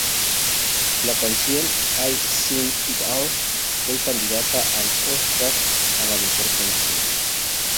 La canción "I've Seen It All" fue candidata al Óscar a la mejor canción.